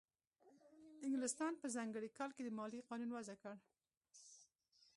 انګلستان په ځانګړي کال کې د مالیې قانون وضع کړ.